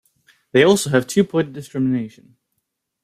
They also have two point discrimination.